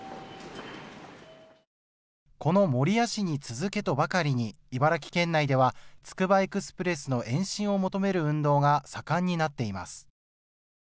この守谷市に続けとばかりに茨城県内ではつくばエクスプレスの延伸を求める運動が盛んになっています。